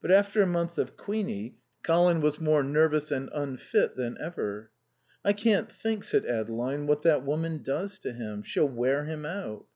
But after a month of Queenie, Colin was more nervous and unfit than ever. "I can't think," said Adeline, "what that woman does to him. She'll wear him out."